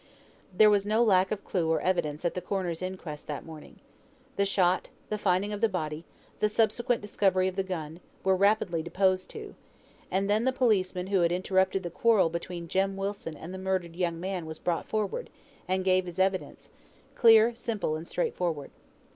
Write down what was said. There was no lack of clue or evidence at the coroner's inquest that morning. The shot, the finding of the body, the subsequent discovery of the gun, were rapidly deposed to; and then the policeman who had interrupted the quarrel between Jem Wilson and the murdered young man was brought forward, and gave his evidence, clear, simple, and straightforward.